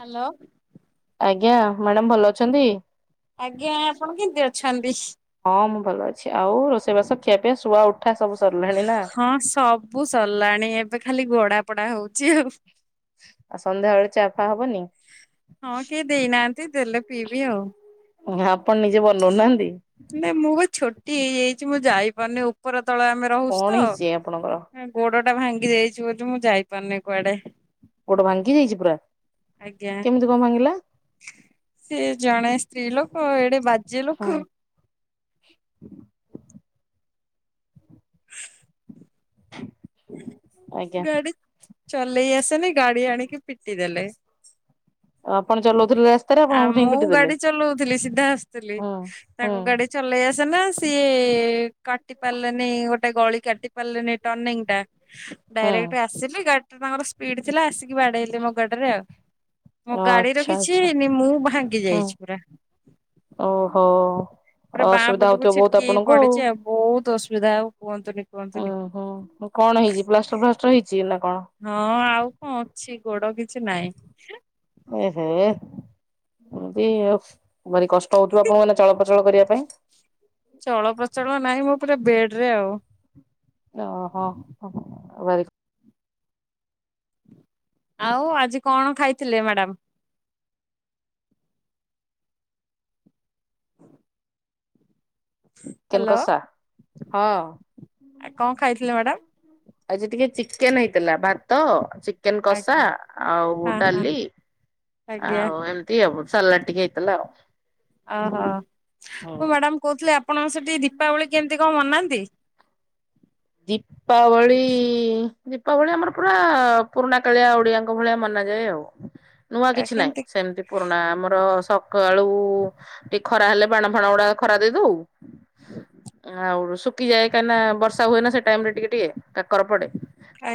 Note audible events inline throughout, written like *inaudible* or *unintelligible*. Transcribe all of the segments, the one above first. Hello. ଆଜ୍ଞା madam ଭଲ ଅଛନ୍ତି? ଆଜ୍ଞା ଆପଣ କେମତି ଅଛନ୍ତି? ହଁ ମୁଁ ଭଲ ଅଛି। ଆଉ ରୋଷେଇ ବାସ ଖିଆ ପିଆ ଶୁଆ ଉ ହଁ ସବୁ ସରିଲାଣି ଏବେ ଖାଲି ଗଡା ପଡା ହଉଛି ଆଉ। ଆଉ ସନ୍ଧ୍ୟାବେଳେ ଚା ଫା ହବନି? ହଁ କିଏ ଦେଇନାହାନ୍ତି ଦେଲେ ପିଇବି ଆଉ। ହା ଆପଣ ନିଜେ ବନଉନାହାନ୍ତି? ନାଇଁ ମୁଁ ବା ଛୋଟି ହେଇଯାଇଛି ମୁଁ ଯାଇପାରୁନି ଉପର ତଳ ଆମେ ରହୁଛୁ କଣ ହେଇଛି ଆପଣଙ୍କର ତ ଗୋଡଟା ଭାଙ୍ଗି ଯାଇଛି ବୋଲି ମୁଁ ଯାଇପାରୁନେଇ କୁଆଡେ। ଗୋଟେ ଭାଙ୍ଗି ଯାଇଛି ପୁରା ଆଜ୍ଞା। କେମିତି କଣ ଭାଙ୍ଗିଲା? ସେ ଜଣେ ସ୍ତ୍ରୀ ଲୋକ ଏଡେ ବାଜେ ହଁ ଲୋକ ଆଜ୍ଞା ଗାଡି ଚଲେଇ ଆସେନି ଗାଡି ଆଣିକି ପିଟି ଦେଲେ। ଆପଣ ଚଲଉଥିଲେ ରାସ୍ତାରେ ଆ ଆପଣଙ୍କ ଠେଇଁ ମୁଁ ପିଟି ଦେଲେ? ଗାଡି ଚଲଉଥିଲି ସିଧା ଆସୁଥିଲି ହୁଁ ହୁଁ ତାଙ୍କ ଗାଡି ଚଲେଇ ଆସେନା ସିଏ କାଟି ପାରିଲାନେଇ ଗୋ ଟେ ଗଳି କାଟ ପାରିଲେନେଇ ଟର୍ଣ୍ଣିଙ୍ଗଟା ହୁଁ ଡାଇରେକଟ ଆ ଆସିଲି ଗାଡିଟା ତାଙ୍କର ସ୍ପିଡ ଥିଲା ଆସିକି ବାଡେଇଲେ ମୋ ଗାଡିରେ ଆଉ। ମୋ ଗାଡି ର ଆଚ୍ଛା କିଛି ଆଚ୍ଛା ହେଇନି ମୁଁ ଭାଙ୍ଗି ହୁଁ ଯାଇଛି ପୁରା। ଓହୋ ପୁରା ବାଁ ଅସୁବିଧା ପଟକୁ ହଉଥିବ ଛିଟକି ବହୁତ ହେଇ ଆପଣଙ୍କୁ ଆଉ। ପଡିଛି ବହୁତ ଅସୁବିଧା ଆଉ କୁହନ୍ତୁନି ଉୁଁ କୁହନ୍ତୁନି। ହୁଁ କଣ ହେଇଛି ପ୍ଲାଷ୍ଟର ଫ୍ଲାଷ୍ଟର ହେଇଛି କି ନା କଣ? ହଁ ଆଉ କଣ ଅଛି ଗୋଡ କିଛି ନହିଁ। ଏହେ। ୟଫ ଭାରି କଷ୍ଟ ହଉଥିବ ଆପଣଙ୍କୁ ମାନେ ଚଳପ୍ରଚଳ କରିବା ପାଇଁ? ଚଳପ୍ରଚଳ ନାହିଁ ମୁଁ ପୁରା ବେଡ ରେ ଆଉ। ଓହୋ ହ ଭଲ। ଆଉ ଆଜି କଣ ଖାଇଥିଲେ ମ୍ୟାଡ଼ାମ? ଚିକେନ ହ୍ୟାଲୋ କଷା ହଁ। ଆ କଣ ଖାଇଥିଲେ ମ୍ୟାଡ଼ାମ? ଆଜି ଟିକେ ଚିକେନ ହେଇଥିଲା ଭାତ, ଚିକେନ କଷା ଆଜ୍ଞା ଆଉ ହଁ ହଁ ଡାଲି। ଆଜ୍ଞା ଆଉ ଏମିତି ଆଉ ସାଲାଡ ଟିକେ ହେଇଥିଲା ଆଉ। ଓହୋ ହୁଁ। ମୁଁ ମ୍ୟାଡ଼ାାମ କହୁଥିଲି ଆପଣଙ୍କ ସେଠି ଦୀପାବଳି କେମିତି କଣ ମନାନ୍ତି? ଦିପ୍ ଦୀପାବଳି ଦୀପାବଳି ଆମର ପୁରା ପୁରୁଣା କାଳିଆ ଓଡ଼ିଆଙ୍କ ଭଳିଆ ମନାଯାଏ ଆଉ। ନୂଆ କିଛି ନାହିଁ କେମିତି ସେମିତି ପୁରୁଣା ଆମର ସକାଳୁ ଟି ଖରା ହେଲେ ବାଣ ଫାଣ ଗୁଡା ଖରା ଦେଇଦଉ ଆଉ ଶୁଖିଯାଏ କାହିଁନା ବର୍ଷ ର୍ଷା ହୁଏ ନା ସେ ଟାଇମ ରେ ଟିକେ ଟିକେ କାକର ପଡେ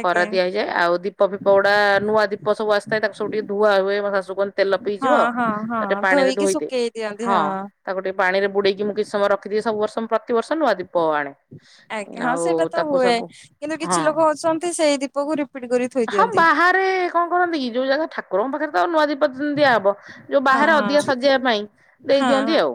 ଖରା ଦିଆ ହେଇଯାଏ। ଆଉ ଦୀପ ଫିପ ଗୁଡା ନୂଆଦୀପ ସବୁ ଆସିଥାଏ ତାକୁ ସବୁ ଟିକେ ଧୁଆ ହୁଏ। ମୋ ଶାଶୁ କୁହନ୍ତି ତେଲ ହଁ ପିଇଯିବ ହଁ ତାକୁ ଟିକେ ପାଣିରେ ଧୋଇକି ଧୋଇଦେ ସୁଖେଇ ଦିଅନ୍ତି ହଁ। ତାକୁ ଟିକେ ପାଣିରେ ବୁଡ଼େଇକି ମୁଁ କିଛି ସମୟ ରଖିଦିଏ ସବୁ ବର୍ଷ ମୁଁ ପ୍ରତିିବର୍ଷ ନୂଆ ଦୀପ ଆଣେ। ଆଜ୍ଞା ହଁ ଆଉ ସେଟାତ ତାକୁ ହୁଏ। ସବୁ କିନ୍ତୁ ହଁ। କିଛି ଲୋକ ଅଛନ୍ତି ସେଇ ଦୀପକୁ ରିପିଟ କରି ଥୋଇ ଦିଅନ୍ତି। ମେ କଣ କରନ୍ତି କି ଯୋଉ ଜାଗା ଠା କୁରଙ୍କ ପାଖରେ ତ ଆଉ ନୂଆ ଦୀପ ଦିଆହବ। ଯୋଉ ହଁ ବାହାରେ ହଁ ଅଧିକା ସଜେଇବା ପାଇଁ ଦେଇ ହଁ ଦିଅନ୍ତି ହଁ। ଆଉ।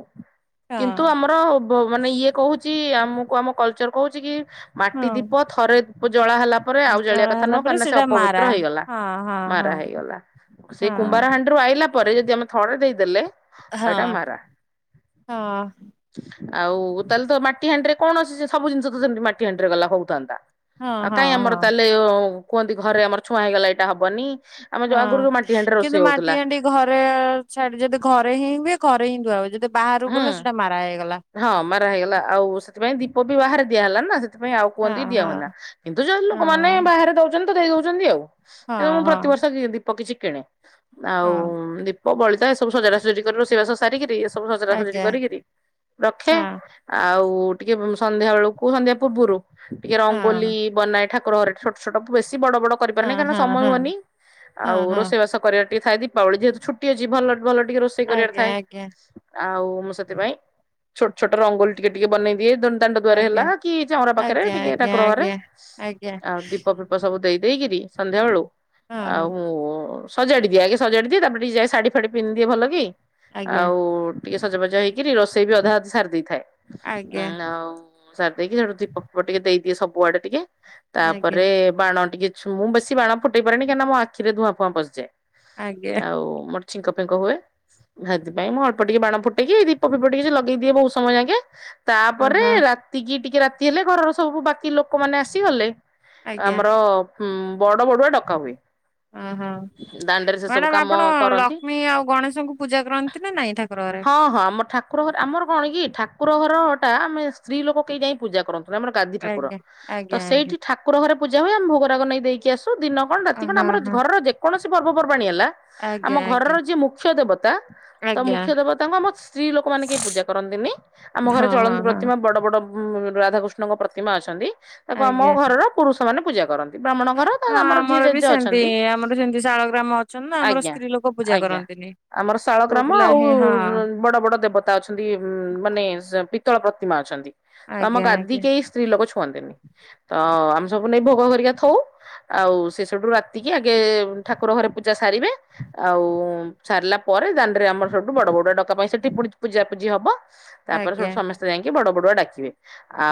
କିନ୍ତୁ ହଁ ଆମର ବ ମାନେ ଇଏ କହୁଛି ଆମକୁ ଆମ କଲଚର କହୁଛି କି ମାଟି ଦୀପ ହଁ ଥରେ ଜଳା ହେଲା ପରେ ଆଉ ଜଳିିବା ଜଳା କଥା ହେଲା ନୁହଁ ପରେ କାହିଁକିନା ସେ ସେଇଟା ମାରା ଅପବିତ୍ର ହେଇଗଲା। ହଁ ହଁ ମାରା ହଁ। ହେଇଗଲା। ସେ ହଁ କୁମ୍ଭାରାହାଣ୍ଡି ରୁ ଆଇଲା ପରେ ଯଦି ଆମେ ଥରେ ଦେଇଦେଲେ ହଁ ହେଟା ମାରା। ହଁ ଆଉ ତାହେଲେ ତ ମାଟି ହାଣ୍ଡିରେ କଣ ଅ ସବୁ ଜିନିଷ ତ ସେମତି ମାଟି ହାଣ୍ଡିରେ ଗଲା ହୋଉଥାନ୍ତା। ହଁ ଆଉ ହଁ କାଇଁ ଆମର ହଁ ତାହେଲେ କୁହନ୍ତି ଘରେ ଆମର ଛୁଆଁ ହେଇଗଲା ଏଇଟା ହବନି। ଆମ ଯୋଉ ଆଗରୁ ହଁ। ଯଉ ମାଟି ହଣ୍ଡି କିନ୍ତୁ ରଷେଇ ମାଟି ହଉଥିଲା। ହାଣ୍ଡି ଘରେ ଛାଡି ଯଦି ଘରେ ହିଁ ହୁଏ ଘରେ ହିଁ ଧୁଆ ହ ଯଦି ବାହାରକୁ ହୁଁ ଗଲା ସେଇଟା ମାରା ହେଇଗଲା। ହଁ ମାରା ହେଇଗଲା। ଆଉ ସେଥିପାଇଁ ଦୀପ ବି ବାହାରେ ଦିଆ ହେଲା ନା ସେ ସେଥିପାଇଁ ଆଉ ହଁ କୁହନ୍ତି ହଁ ଦିଆହୁଏନା। କିନ୍ତୁ ଯଦି ହଁ। ଲୋକମାନୋନ ବାହାରେ ଦଉଛନ୍ତି ତ ଦେଇ ଦଉଛନ୍ତି ଆଉ। ହଁ ତେଣୁ ମୁଁ ହଁ ପ୍ରତିବର୍ଷ ଦି ଦୀପ କିଛି କିଣେ। ହଁ ଆଉ ଦୀ ପ ବଳିତା ଏ ସବୁ ସଜଡା ସଜଜି କରି ରୋଷେଇବାସ ସାରିକିରି ଏସବୁ ସଜଡା ସଜଡି ଆଜ୍ଞା କରିକିରି ରଖେ। ହଁ ଆଉ ଟିକେ ସନ୍ଧ୍ୟା ବେଳକୁ ସନ୍ଧ୍ୟା ପୂର୍ବରୁ ଟିକେ ରଙ୍ଗୋଲି ବନାଏ ଠାକୁ କୁର ଘରେ ଛୋଟ ଛୋଟ ବେଶୀ ବଡ ବଡ କରିିପାରେନି ହଁ କାରଣ ହଁ ସମୟ ହଁ ହୁଏନି। ହଁ ହଁ ଆଉ ହଁ ରୋଷେଇବାସ କରିବାର ଟିକେ ଥାଏ ଦୀପାବଳି ଯେହେତୁ ଛୁଟି ଅଛି ଭଲ ଭଲ ଟିକେ ରୋଷେଇ କରିବାର ଆଜ୍ଞା ଥାଏ। ଆଉ ମୁଁ ସେଥିପାଇଁ ଛୋଟ ଛୋଟ ରଙ୍ଗୋଲି ଟିକେ ଟିକେ ବନେଇ ଦିଏ ଦ ଦାଣ୍ଡ ଦୁଆରେ ଆଜ୍ଞା ହେଲା କି ଚାଉଁରା ପାଖରେ ଆଜ୍ଞା ଟିକେ ଠାକୁର ଘରେ। ଆଜ୍ଞା ଆଜ୍ଞା। ତ ସବୁ ଦେଇ ଦେଇକିରି ସନ୍ଧ୍ୟାବେଳୁ ଆଜ୍ଞା ହଁ ଆଉ ହଁ ମୁଁ ସଜାଡ଼ି ଦିଏ ଆଗେ ସଜାଡ଼ିିଦିଏ ତାପରେ ଟିକେ ଯାଏ ଶାଢ଼ୀ ଫାଢି ପିନ୍ଧିଦିଏ ଭଲ କି ଆଜ୍ଞା ଆଉ ଟିକେ ସଜବାଜ ହେଇକିରି ରୋଷେଇ ବି ଅଧା ଅଧି ସାରି ଦେଇଥାଏ ଆଜ୍ଞା ଉଁ ଆଉ ସାରି ଦେଇକି ସେଠୁ ଦୀପ ଫିପ ଟିକେ ଦେଇଦିଏ ସବୁଆଡେ ଟିକେ। ଆଜ୍ଞା ତାପରେ ବାଣ ଟିକେ ଛୁ ମୁଁ ବେଶୀ ବାଣ ଫୁଟେଇ ପାରେନି କାହିଁକିନା ମୋ ଆଖିରେ ଧୂଆଁ ଫୁଆଁ ପସିଯାଏ ଆଜ୍ଞା ଆଉ ମୋର ଛିଙ୍କ ଫିଙ୍କ ହୁଏ ହେଥିପାଇଁ ମୁଁ ଅଳ୍ପ ପ ଟିକେ ବାଣ ଫୁଟେଇକି ଦୀପ ଫିପ ଟିକେ ଲଗେଇଦିଏ ବହୁତ ସମୟ ଯାକେ ହଁ ତାପରେ ହଁ ରା ତିକି ଟିକେ ରାତି ହେଲେ ଘରର ସବୁ ବାକି ଲୋକମାନେ ଆସିଗଲେ ଆଜ୍ଞା ଆମର ଉ ବଡ଼ ବଡୁଆ ଡକା ହୁଏ। ଓହୋ ଦାଣ୍ଡରେ ସେ ସବୁ ମ୍ୟାଡ଼ାମ କାମ ଆପଣ କରନ୍ତି। ଲକ୍ଷ୍ମୀ ଆଉ ଗଣେଶଙ୍କୁ ପୂଜା କରନ୍ତ ନ୍ତି ନା ନାଇଁ ଠାକୁର ଘରେ। ହଁ ହଁ ଆମର ଠାକୁର ଘର ଆମର କଣ କି ଠାକୁର ଘର ଟା ଆମେ ସ୍ତ୍ରୀ ଲୋକ କେହି ଯାଇ ପୂଜା କରନ୍ତୁ ଆମର ଗାଦି ଠାକୁର ଆଜ୍ଞା ତ ଆଜ୍ଞା ଆଜ୍ଞା ସେଇଠି ଠାକୁର ଘରେ ପୂଜା ହୁଏ ଆମେ ଭୋଗ ରାଗ ନେଇ ଦେଇକି ଆସୁ ଦିନ କଣ ରାତି କଣ ହଁ ଆମର ହଁ ଘରର ଯେକୌଣସି ପର୍ବପର୍ବାଣୀ ହେଲା ଆମ ଆଜ୍ଞା ଆଜ୍ଞା ଘରର ଯିଏ ମୁଖ୍ୟ ଦେବତା ତ ଆଜ୍ଞା। ମୁଖ୍ୟ ଦେବତାଙ୍କୁ ଆମ ସ୍ତ୍ରୀ ଲୋକମାନେ କେହି ପୂଜା କରନ୍ତିନି। ଆମ ଘରେ ହଁ ହଁ ଚଳନ୍ତି ହଁ ପ୍ରତିମା ବଡ ବଡ ଉ ରାଧାକୃଷ୍ଣଙ୍କ ପ୍ରତିମା ଅଛନ୍ତି ତାକୁ ଆମ ଆଜ୍ଞା। ଘରର ପୁରୁଷ ମାନେ ପୂଜା କରନ୍ତି ବ୍ରାହ୍ମଣ ଘର ତ ହଁ ଯିଏ ଆମର ବି ଜେଜେ ସେମିତି ଅଛନ୍ତି ଆମର ସେମତି ଶାଳ ଗ୍ରାମ ଅଛନ୍ତି ନା ଆମର ଆଜ୍ଞା। ସ୍ତ୍ରୀ ଲୋକ ପୂଜା ଆଜ୍ଞା। କରନ୍ତିନି। ଆମର ଶାଳ ପୁଅ ଗ୍ରାମ ଆଉ *inaudible* ବଡ ବଡ ଦେବତା ଅଛନ୍ତି ଉ ମାନେ ପିତ୍ଳ ପ୍ରତିମା ଅଛନ୍ତି ତ ଆମ ଆଜ୍ଞା ଗାଦି ଆଜ୍ଞା କେଇ ସ୍ତ୍ରୀ ଲୋକ ଛୁଅନ୍ତିନି ତ ଆମେ ସବୁ ନେଇ ଭୋଗ କରରିକା ଥଉ ଆଉ ସେ ସେଠୁ ରାତିକି ଆଗେ ଠାକୁର ଘରେ ପୂଜା ସାରିବେ ଆଉ ସାରିଲା ପରେ ଦ ଆମର ସବଠୁ ବଡ ବଡ ଡା ପାଇଁ ସେଠି ପୁ ପୂଜାପୁଜି ହବ ତାପରେ ଆଜ୍ଞା ସବଠୁ ସମସ୍ତେ ଯାଇକି ବଡ ବଡୁଆ ଡାକିବେ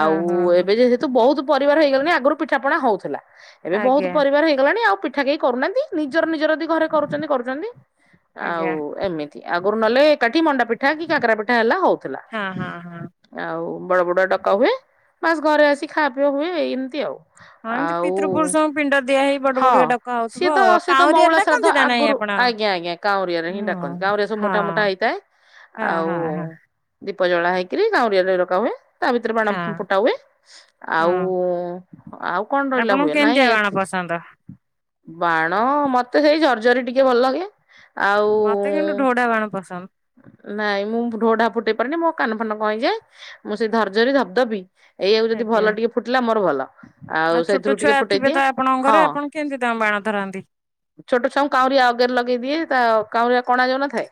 ହଁ ହଁ ହଁ ଏବେ ଯେ ୁ ବହୁତ ପରିବାର ହେଇଗଲାଣି ଆଗରୁ ପିଠାପଣା ହଉଥିଲା ଏବେ ବହୁତ ଆଜ୍ଞା ପରିବାର ହେଇଗଲାଣି ଆଉ ଏଠା କେ କରୁନାହାନ୍ତି ନିଜର ନିଜରଦି ଘରେ କରୁଛନ୍ତି କରୁଛନ୍ତି ଆଉ ଆଜ୍ଞା ଏମିତି ଆଗରୁ ନହେଲେ ଏକାଠି ମଣ୍ଡା ପିଠା କି କାକରା ପିଠା ହେଲା ହଉଥିଲା ହଁ ହଁ ହଁ। ଆଉ ବଡ ବଡ ଡକା ହୁଏ ବାସ ଘରେ ଆସି ଖାବା ପିଇବା ହୁଏ ଏମତି ଆଉ। ହଁ ଏମିତି ଆଉ ପିତୃ ପୁରୁଷଙ୍କୁ ପିଣ୍ଡ ଦିଆ ହେଇ ବଡ ହଁ ବଡୁଆ ଡକା ହଉଥିବ ସିଏ ତ ଆଉ ସିଏ ତ କାଉଁରିଆରେ ମଉଳା ଶ୍ରାଦ୍ଧ ଡାକନ୍ତି ନା ନାଇଁ ଆଗରୁ ଆପଣ? ଆଜ୍ଞା ଆଜ୍ଞା କାଉରିଆରେ ହିଁ ହୁଁ ଡାକନ୍ତି କାଉରିଆ ସବୁ ହଁ ମୋଟା ମୋଟା ହେଇଥାଏ ହଁ ଆଉ ହଁ ହଁ ଦୀପ ଜଳା ହେଇକିରି କାଉଁରିଆରେ ଲଗା ହୁଏ ତା ଭିତରେ ବାଣ ହଁ ଫୁଟା ହୁଏ ଆଉ ହଁ। ଆଉ କଣ ରହିଲା ହୁଏ ନାଇଁ ଖ ଏତିକି ପସନ୍ଦ ଆ ବାଣ ମତେ ସେଇ ଜର୍ଝରି ଟିକେ ଭଲ କେ ମତେ କିନ୍ତୁ ଢୋଡାବାଣ ପସନ୍ଦ। ନାଇଁ ମୁଁ ଢୋଢା ଫୁଟେଇ ପାରିନି ମୋ କାନ ଫାନ କ ଯାଏ ମୁଁ ସେଇ ଧରଝରି ଧିଦବି ଏଇଆଉ ଯଦି ଆଜ୍ଞା ଭଲ ଟିକେ ଫୁଟିଲା ମୋର ଭଲ ଆଉ ସେଇଥିରୁ ଛୋଟ ଟିକେ ଛୁଆ ଥେ ଫୁଟେଇଦିଏ। ତ ଆପଣଙ୍କ ହଁ ଘରେ ଆପଣ କେମିତି ତାଙ୍କୁ ବାଣ ଧରନ୍ତି ଛୋଟ ଛଉ କାଉଁରିଆ ଅଗେରେ ଲଗେଇଦିଏ ତା କାଉଁରିଆ କଣା ଯାଉନଥାଏ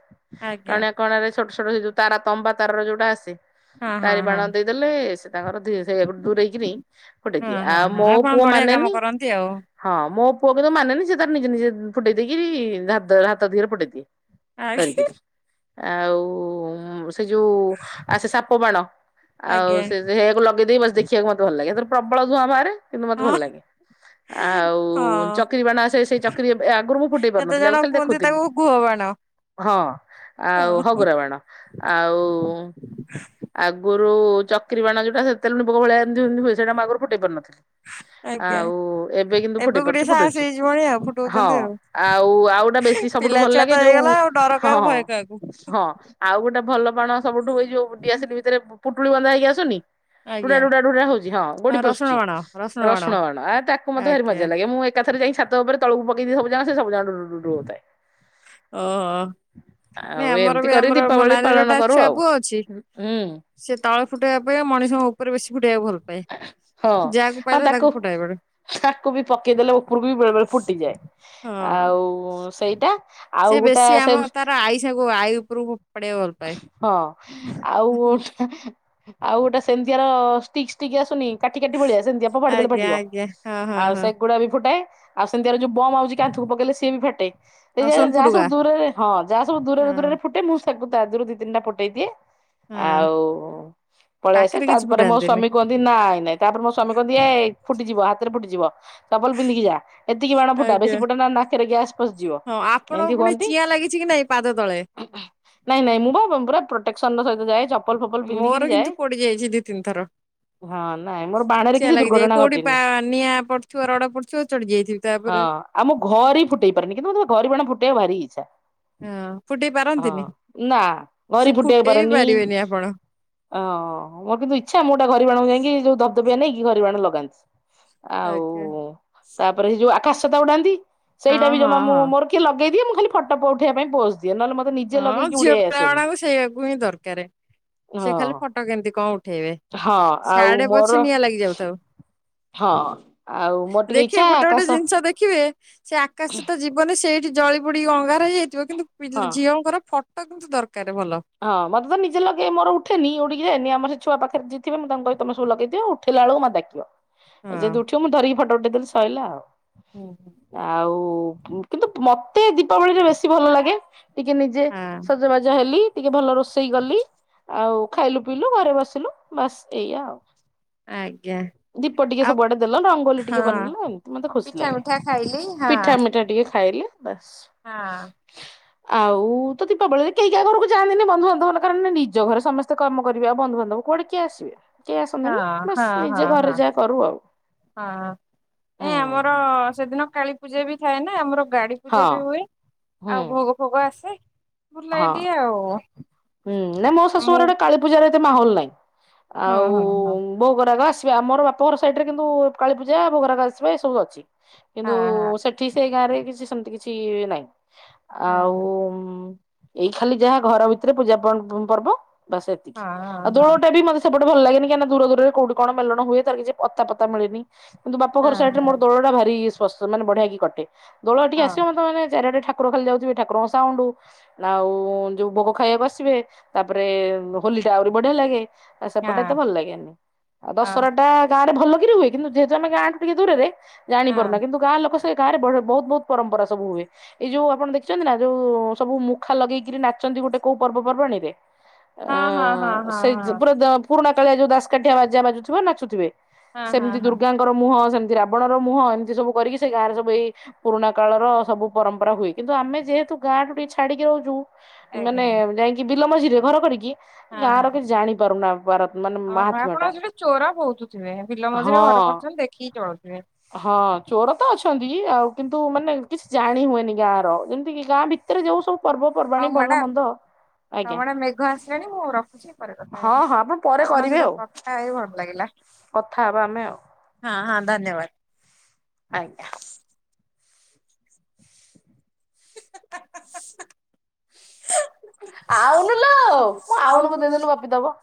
ଆଜ୍ଞା କାରଆ କଣ ଛୋଟ ଛୋଟ ସେ ଯୋଉ ତାରା ତମ୍ବା ତାର ର ଯୋଉଟା ହଁ ହଁ ତାରି ବାଣ ହଁ ଦ ଦେଲେ ସେ ତାଙ୍କର ସେ ଦୂର ହେଇକି କୋଟେ ଦିଏ ହଁ ହଁ ଆଉ ହଁ ମୋ ଆପଣ ପୁଅ ବଢିଆ କାମ ମାନେନି କରନ୍ତି ଆଉ। ହଁ ମୋ ପୁଅକୁ ତୁ ମାନେନି ସେ ତାର ନି ନିଜେ ଫୁଟେଇ ଦେଇକି ହାତ ଧିହରେ ଫୁଟେଇଦିଏ। ଆଜ୍ଞା ଧରିକିରି ଆଉ ଉ ଉଁମ ସେ ଯୋଉ ଆସେ ସାପ ବାଣ ଆଉ ଆଜ୍ଞା ସେଆକୁ ଲଗେଇ ଦେଇେଇ ବସେ ଦେଖି ଖିଆକୁ ମତେ ଭଲ ଲାଗେ ପ୍ରବଳ ଧୂଆଁ ବାହାରେ କିନ୍ତୁ ମତେ ଭଲ ହଁ ଲାଗେ। ଆଉ ହଁ। ଚକିରୀ ବାଣ ଆସେ ସେଇ ଚକିରୀ ଆଗରୁ ମୁଁ ଫୁଟେଇ କେତେ ପାରୁନଥିଲି ଜଣ ଆଗରୁ ଖାଲି କୁହନ୍ତି ଦେଖୁଥିଲି। ତାକୁ ଗୁହ ବାଣ। ହଁ ଅଁ ଆଉ ହଗୁରା ବାଣ ଆଉ ଆଗରୁ ଚକିରି ବାଣ ଯଉଟା ସେତେବେଳେୁ *unintelligible* ଭଳିଆ ହୁଏ ସେଇଟା ମୁଁ ଆଗରୁ ଫୁଟେଇ ପାରୁନଥିଲି। *inaudible* ଆଜ୍ଞା। ଆଉ ଏବେ କିନ୍ତୁ ଫୁଟେଇ କୁ ଟିକେ ପାରୁଛି ସାହସ ଫୁଟଉଛି ହେଇଯିବଣି ଆଉ ହଁ ଫୁଟଉଛନ୍ତି ଆଉ ଆଉ ଗୋଟା ବେଶୀ ସବୁଠୁ ପିଲା ଭଲ ଛୁଆ ଲାଗେ ତ ଯୋଉ ହେଇଗଲା ଉ ଆଉ ଡର ହଁ କାହାକୁ ଅଁ ଭୟ କାହାକୁ। ହଁ ଆଉ ଗୋଟେ ଭଲ ବାଣ ସବୁଠୁ ଏଇ ଯୋଉ ଡିଆସିଲି ଭିତରେ ପୁଟୁଳି ବନ୍ଧା ହେଇକି ଆସୁନି ଟୁଡା ଆଜ୍ଞା ଟୁଡା ଡୁଡା ହଉଛି ହଁ ଗୋଡି ଆଉ ରସୁଣ ପଶୁଛି ବାଣ ରସୁଣ ବାଣ ଆ ତାକୁ ମତେ ଆଜ୍ଞା ଭାରିମଜା ଲାଗେ ମୁଁ। ଏକାଥରେ ଯାଇ ଛାତ ଉପରେ ତଳକୁ ପକେଇ ଦିଏ ସବୁଯାକ ସେ ସବୁଯାକ ଢୁ ଢୁ ହଉଥାଏ। ଓହୋ ଆଉ ନାଇଁ ଆମର ଏମିତି ବି କରି ଆମର ମୋ ଦୀପାବଳି ନାନୀ ର ପାଳନ ଗୋଟାଏ କରୁ ଛୁଆ ଆଉ ପୁଅ ଅଛି ହୁଁ ସେ ତଳେ ଫୁଟେଇବା ଆପେକ୍ଷା ମଣିଷଙ୍କ ଉପରେ ବେଶୀ ଫୁଟେଇବା ଭଲ ପାଏ ହଁ ଯାହାକୁ ଆଉ ପାଇଲେ ତାକୁ ଫୁଟାଇବ ତାକୁ ବି ପକେଇଦେଲେ ଉପରକୁ ବି ବେଳେ ବେଳେ ଫୁଟିଯାଏ ହଁ। ଆଉ ଉ ସେଇଟା ଆଉ ସେ ଗୋଟେ ବେଶୀ ସେ ଆମ ତାର ଆଇସାକୁ ଆଈ ଉପରକୁ ଫୋପାଡିବାକୁ ଭଲ ପାଏ। ହଁ ଆଉ ଆଉ ଗୋଟେ ସେମିତିଆର ଷ୍ଟିକ୍ ଷ୍ଟିକ୍ ଆସୁନି କାଟି କାଟି ଭଳିଆ ସେମିତିଆ। ଫୋଫାଡି ଦେଲେ ଆଜ୍ଞା ଫାଟିବ ଆଜ୍ଞା ହଁ ହଁ ଆଉ ହଁ ସେଗୁଡା ବି ଫୁଟାଏ। ଆଉ ସେମତିଆର ଯୋଉ ବମ୍ ଆଉଛି କାନ୍ଥ କୁ ପକେଇଲେ ସେଏ ବି ଫାଟେ। ଏଇ ଆଉ ଯା ସୋନ ଯାହା ସବୁ ଫୁଟୁକା ଦୂରରେ ହଁ ଯାହା ସବୁ ଦୂରରେ ହଁ ଦୂରରେ ଫୁଟେ ମୁଁ *unintelligible* ତାକୁ ତା ଦେହରୁ ଦି ତିନିଟା ଫୁଟେଇ ଦିଏ ହଁ। ଆଉ ପଳେଇ ଆସେ ପାଖରେ କିଛି ତାପରେ ମୋ ଫୁଟାନ୍ତିନି ସ୍ଵାମୀ କୁହନ୍ତି ନାଇଁ ନାଇଁ ତାପରେ ମୋ ସ୍ଵାମୀ କୁହନ୍ତି ଏ ଫୁଟିଯିବ ହାତ ରେ ଫୁଟିଯିବ ଚପଲ ପିନ୍ଧିକି ଯା। ଏତିକି ବାଣ ଫୁଟା ଆଜ୍ଞା ବେଶୀ ଫୁଟା ନା ନାକରେ ଗ୍ୟାସ ପଶି ଯିବ ହଁ ଆପଣଙ୍କ ଏମିତି ପୁଣି ହୁଅନ୍ତି। ଚିଆଁ ଲାଗିଛି କି ନାଇଁ ପାଦ ତଳେ ନାଇଁ ନାଇଁ ମୁଁ ବା ପୁରା ପ୍ରୋଟେକ୍ସନ ର ସହିତ ଯାଏ ଚ ମୋର କିନ୍ତୁ ପୋଡିଯାଇଛି ଦି ତିନି ଥର। ହଁ ନାଇଁ ମୋର ବାଣରେ ଚିଆଁ କିଛି ଲାଗିଯାଏ ଦୁର୍ଘଟଣା କୋଉଠି ଘଟିନି। ବା ନିଆଁ ପଡିଥିବ ରଡ ପଡିଥିବ ଚଢି ଯାଇଥିବି ହଁ ତାଉପରେ। ଆଉ ମୁଁ ଘରି ଇ ଫୁଟେଇ ପାରିବିନି କିନ୍ତୁ ମୋତେ ଘରି ଇ ବାଣ ଫୁଟେଇବାର ଭାରି ଇଚ୍ଛା। ହଁ ଫୁଟେଇ ହଁ ପାରନ୍ତିନି ନା ଘରି ସେ ଫୁଟେଇ ବି ପାରେନି। ପାରିବେନି ଆପଣ ଅଁ ମୋର କିନ୍ତୁ ଇଚ୍ଛା ମୁଁ ଗୋଟେ ଘରି ବାଣକୁ ଯାଇକି ଯୋଉ ଧବଦବିଆ ନେଇକି ଘରି ବାଣ ଲଗାଏ। ଆଉ ଆଜ୍ଞା ତାପରେ ସେ ଯୋଉ ଆକାଶ ଛତା ଉଡାନ୍ତି ସେଇଟା ହଁ ବି ହଁ ଜମା ମୁଁ ହଁ। ମୋର ଟିକେ ଲେଇଦିଏ ମୁଁ ଖାଲି ଫଟୋ ଉଠେଇବା ପାଇଁ ପୋଜ ଦିଏ ନହଲେ ମୋତେ ମି ହଁ ଝିଅ ପିଲାଗୁଡାଙ୍କୁ ସେଇଆକୁ ହିଁ ଦରକାରେ ସେ ଖାଲି ହଁ ଫଟୋ କେମତି କଣ ଉଠେଇବେ। ହଁ ଆଉ ସାଆଡ଼େ ମୋର ପଛେ ନିଆଁ ଲାଗି ଯାଉଥାଉ। ହଁ ଆଉ ମୋର ଟିକେ ଦେଖିବେ ଇଚ୍ଛା ଗୋଟେ ଗୋଟେ ଆକାଶ ଜିନିଷ ଦେଖିବେ ସେ ଆକାଶ ଛତା ଯିବନି ସେଇଠି ଜଳି ପୋଡିକି ଅଙ୍ଗାର ହେଇଯାଇଥିବ କିନ୍ତୁ ପିଲା ହଁ ଲା ଙ୍କର ଫଟୋ କିନ୍ତୁ ଦରକାର ଭଲ। ହଁ ମତେ ତ ନିଜେ ଲଗେଇ ମୋର ଉଠେନି ଉଡିକି ଯାଏନି ଆମ ର ସେ ଛୁଆ ପାଖରେଯିଏ ଥିବ ମୁଁ ତାଙ୍କୁ କହେ ତମେ ସବୁ ଲଗେଇଦିଅ ଆଉ। ଉଠେଇଲା ବେଳକୁ ମତେଡାକିବ ଯଦି ହଁ। ଉଠିବ ମୁଁ ଧରିକି ଫଟୋ ଉଠେଇ ଦେବି ସଇଲା ଆଉ। ହୁଁ। ଆଉ ଫୁ କିନ୍ତୁ ମତେ ଦୀପାବଳିରେ ବେଶୀ ଭଲ ଲାଗେ। ଟିକେ ନିଜେ ହଁ ସଜବାଜ ହେଲି ଟିକେ ଭଲ ରୋଷେଇ କଲି ଆଉ ଖାଇଲୁ ପିଇଲୁ ଘରେ ବସିଲୁ ବାସ୍ ଏଇଆ ଆଉ। ଆଜ୍ଞା। ଦୀପ ଟିକେ ଆଉ ସବୁଆଡେ ଦେଲ ରଙ୍ଗୋଲି ହଁ ଟିକେ ବନେଇଲ ଆଉ ଏମିତି ମତେ ଖୁସି ପିଠା ଲାଗେ ମିଠା ଖାଇଲି ହଁ ପିଠା ମିଠା ଟିକେ ଖାଇଲେ। ବାସ୍। ହଁ ଆଁ। ଆଉ ତ ଦୀପାବଳିରେ କେହି କାହା ଘରକୁ ଯାନ୍ତିନି ବନ୍ଧୁବାନ୍ଧବ ହେ କଣ ନିଜ ଘରେ ସମସ୍ତେ କାମ କରିବେ ଆଉ ବନ୍ଧୁ ବାନ୍ଧବ କୁଆଡେ କିଏ ଆସିବେ। କେହି ହଁ ଆସନ୍ତିନି ବାସ ହଁ ନିଜେ ହଁ ଘରେ ହଁ ଯାହା କରୁ ଆଉ। ନାଇ ଆମର ହୁଁ ସେଦିନ କାଳି ପୂଜା ବି ଥାଏ ନା, ଆମର ଗାଡି ହଁ ପୂଜା ବି ହୁଏ, ହୁଁ ଆଉ ଭୋଗ ଫୋଗ ଆସେ। ବୁଲାଏ ହଁ ଟିକେ ଆଉ ହୁଁ ନା ମୋ ଶାଶୁ ମୁଁ ଘର ଆଡ଼େ କାଳୀ ପୂଜାରେ ଏତେ ମାହୋଲ ନ। ହିଁ ହଁ ଆଉ। ହଁ ହଁ ଭୋଗରାଗ ଆସିବା ଆମର ବାପଘର ସାଇଡ ରେ କିନ୍ତୁ କାଳୀପୂଜା ଭୋଗରାଗ ଆସିବା ଏ ସବୁ ଅଛି। ହଁ କିନ୍ତୁ ସେଠି ସେଇ ଗାଁ ରେ କିଛି ସେମିତି କିଛି ନାହିଁ ଆଉ ଏଇ ଖାଲି ଯାହା ଘର ଭିତରେ ପୂଜା ପ୍ ପର୍ବ ବାସ ଏତିକି, ହଁ ହଁ ଆଉ ଦୋଳ ହଁ ଟା ବି ମତେ ସେପଟେ ଭଲ ଲାଗେନି କାରଣ ଦୁର ଦୁରରେ କୋଉଁଠି କଣ ମେଲଣ ହୁଏ ତାର କିଛି ପତା ପତା ମିଳିନି। କିନ୍ତୁ ବାପ ଘର ହଁ ସାଇଟିରେ ମୋର ଦୋଳଟା ଭାରି ସ୍ପସ୍ଥ ମାନେ ବଢିଆକି କଟେ। ଦୋଳ ଟିକେ ହଁ ଆସିବ ମତେ ମାନେ ଚାରିଆଡେ଼ ଠାଙ୍କୁର ଖାଲି ଯାଉଥିବେ ଠାଙ୍କୁରଙ୍କ ସାଉଣ୍ଡ। ଆଉ ଯୋଉ ଭୋଗ ଖାଇବାକୁ ଆସିବେ, ତାପରେ ହୋଲି ଟା ଆହୁରି ବଢିଆ ଲାଗେ। ଆଉ ହଁ ସେପଟେ ଏତେ ହଁ ଭଲ ଲାଗେନି ଆଉ ହଁ ଦଶହରା ଟା ଗାଁ ରେ ଭଲ କିରି ହୁଏ କିନ୍ତୁ ଯେହେତୁ ଆମେ ଗାଁ ଠୁ ଟିକେ ଦୂରରେ ଜାଣିପାରୁୁନା କିନ୍ତୁ ଗାଁ ଲୋକ ସ କିନ୍ତୁ ଏ ଗାଁ ରେ ବଢିଆ ବହୁତ ବହୁତ ପରମ୍ପରା ସବୁ ହୁଏ ଏଇ ଯୋଉ ଆପଣ ଦେଖିଛନ୍ତି ନା ଯୋଉ ସବୁ ମୁ ଖା ଲଗେଇକିରି ନାଚନ୍ତି ଗୋଟେ କୋଉ ପର୍ବ ପର୍ବାଣୀରେ ହଁ ହଁ ହଁ ହଁ ହଁ ଆଁ ହଁ ସେଇ ଯୋଉ ପୁରା ହଁ ପୁରୁଣା କାଳିଆ ଯୋଉ ଦାସକାଠିଆ ବାଜା ବାଜୁଥିବ ନାଚୁଥିବେ ହଁ ହଁ ହଁ ସେମିତି ହଁ ଦୁର୍ଗାଙ୍କ ର ମୁହଁ ସେମିତି ରାବଣର ମୁହଁ ଏମିତି ସବୁ କରିକି ସେ ଗାଁ ରେ ସବୁ ଏଇ ପୁରୁଣା କାଳର ସବୁ ପରମ୍ପରା ହୁଏ କିନ୍ତୁ ଆମେ ଯେହେତୁ ଗାଁ ଠୁ ଟିକେ ଛା ଛାଡିକି ରହୁଛୁ ମାନେ ଆଜ୍ଞା ଯାଇକି ବିଲ ମଝିରେ ଘର କରିକି ଗାଁ ର କିଛି ଜାଣିପାରୁନା ଆ ଭାରତ ମାନେ ଓ ହୋ ମାହାତ୍ମ୍ୟ ଆପଣ ଟା ସେଠି ଚୋର ବହୁତ ଥିବେ ବିଲ ମଝିରେ ଘର ହଁ। କରିଛନ୍ତି ଦେଖିକି ଚଳୁଥିବେ। ହଁ ଚୋର ତ ଅଛନ୍ତି ଆଉ କିନ୍ତୁ ମାନେ କିଛି ଜାଣି ହୁଏନି ଗାଁ ର ଯେମିତି କି ଗାଁ ଭିତରେ ଯୋଉ ସ ସବୁ ପର୍ବ ପର୍ବାଣୀ ଭଲ ମନ୍ଦ ଆଜ୍ଞା ଆମ ଆଡେ ମେଘ ଆସିଲାଣି ମୁଁ ରଖୁଛି ପରେ କଥା ହଁ ହେବି ହଁ ଆପଣ ପରେ ଆପଣଙ୍କ କରିବେ ସହିତ ଆଉ କଥା ହେଇ ଭଲ ଲାଗିଲା। କଥା ହବା ଆମେ ଆଉ। ହଁ ହଁ ଧନ୍ୟବାଦ୍। ଆଜ୍ଞା। ଆଉନୁ ଲୋ ଆଉନୁକୁ ଦେଇଦେଲୁ ଧନ୍ୟବାଦ। ଗପିଦବ।